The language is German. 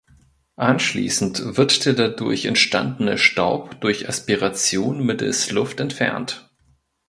Anschließend wird der dadurch entstandene Staub durch Aspiration mittels Luft entfernt.